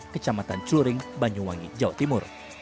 kecamatan curing banyuwangi jawa timur